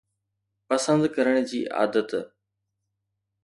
پسند ڪرڻ جي عادت